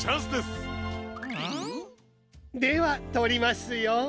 ん？ではとりますよ。